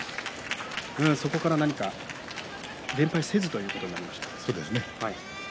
そこから連敗せずということになりました。